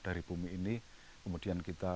dari bumi ini kemudian kita